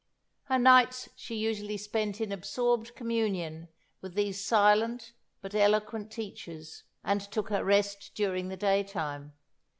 Her nights she usually spent in absorbed communion with these silent but eloquent teachers, and took her rest during the daytime.